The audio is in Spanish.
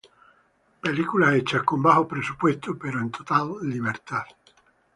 Películas hechas con bajos presupuestos, pero en total libertad.